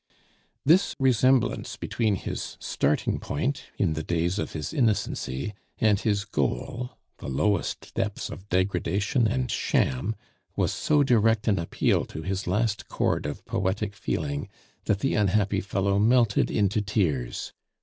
This resemblance between his starting point, in the days of his innocency, and his goal, the lowest depths of degradation and sham, was so direct an appeal to his last chord of poetic feeling, that the unhappy fellow melted into tears.